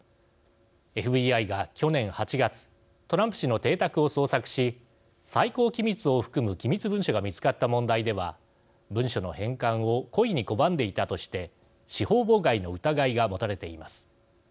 ＦＢＩが去年８月トランプ氏の邸宅を捜索し最高機密を含む機密文書が見つかった問題では文書の返還を故意に拒んでいたとして司法妨害の疑いが持たれています。